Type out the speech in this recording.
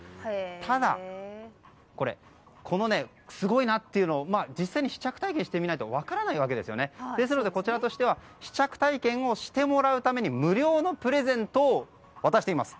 ただ、このすごいなというのを実際試着体験してみないと分からないわけですねこちらとしては試着体験をしてもらうために無料のプレゼントを渡しています。